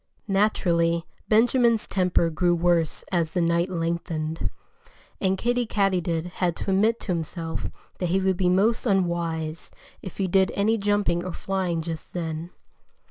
Naturally, Benjamin's temper grew worse as the night lengthened. And Kiddie Katydid had to admit to himself that he would be most unwise if he did any jumping or flying just then.